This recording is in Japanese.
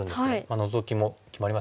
ノゾキも決まりますよね。